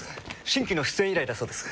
新規の出演依頼だそうです。